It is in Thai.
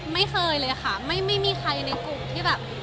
ไม่เคยเลยค่ะไม่มีใครในกลุ่มที่แบบ